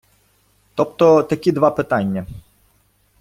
Тобто такі два питання.